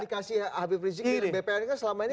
komunikasi habib rizieq dengan bpn kan selama ini